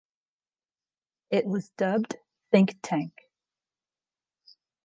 It was dubbed "Think Tank".